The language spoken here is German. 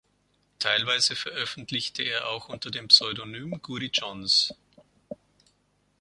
Teilweise veröffentlichte er auch unter dem Pseudonym Guri Johns.